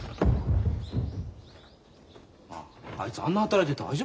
なああいつあんな働いて大丈夫か？